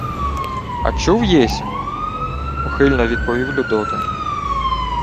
— А чув єсмь, — ухильно відповів Людота.